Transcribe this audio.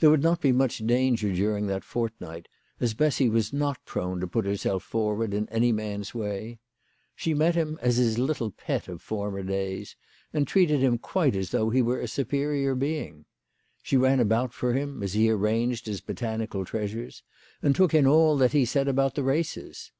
There would not be much danger during that fort night, as Bessy was not prone to put herself forward in any man's way. She met him as his little pet of former days, and treated him quite as though he were a superior being. She ran about for him as he arranged his botanical treasures, and took in all that he said about the races.